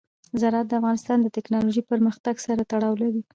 زراعت د افغانستان د تکنالوژۍ پرمختګ سره تړاو لري.